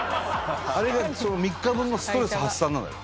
あれが３日分のストレス発散なのよ。